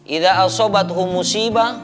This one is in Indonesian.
iza al sobathu musibah